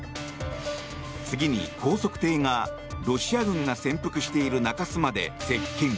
次に高速艇がロシア軍が潜伏している中州まで接近。